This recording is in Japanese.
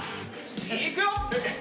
いくよ！